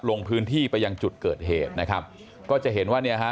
ลงพื้นที่ไปยังจุดเกิดเหตุนะครับก็จะเห็นว่าเนี่ยฮะ